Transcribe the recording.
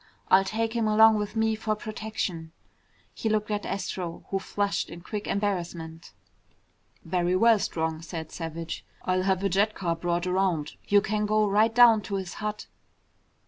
I'll take him along with me for protection." He looked at Astro, who flushed in quick embarrassment. "Very well, Strong," said Savage. "I'll have a jet car brought around. You can go right down to his hut."